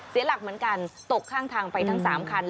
เสียหลักเหมือนกันตกข้างทางไปทั้ง๓คัน